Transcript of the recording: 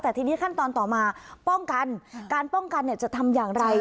แต่ทีนี้ขั้นตอนต่อมาป้องกันการป้องกันจะทำอย่างไร